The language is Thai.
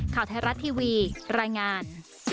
ข่าวไทยรัฐทีวีรายงาน